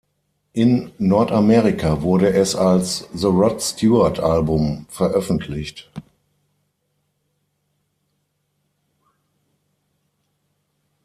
In Nordamerika wurde es als "The Rod Stewart Album" veröffentlicht.